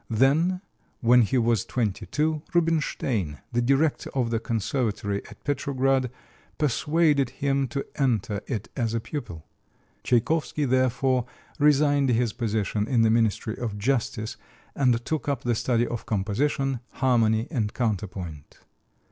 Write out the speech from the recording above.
Then when he was twenty two, Rubinstein, the director of the conservatory at Petrograd, persuaded him to enter it as a pupil. Tchaikovsky, therefore, resigned his position in the Ministry of Justice and took up the study of composition, harmony, and counterpoint.